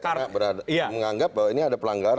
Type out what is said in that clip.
karena menganggap bahwa ini ada pelanggaran